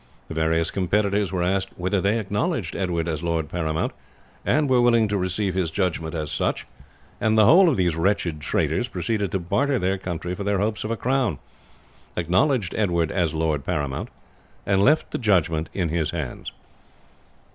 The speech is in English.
The various competitors were asked whether they acknowledged Edward as lord paramount, and were willing to receive his judgment as such; and the whole of these wretched traitors proceeded to barter their country for their hopes of a crown, acknowledged Edward as lord paramount, and left the judgment in his hands.